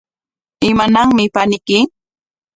¿Imananmi paniyki?